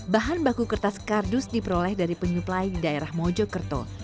bahan baku kertas kardus diperoleh dari penyuplai di daerah mojokerto